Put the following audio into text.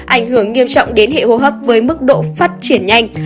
ảnh hưởng nghiêm trọng đến hệ hô hấp với mức độ phát triển nhanh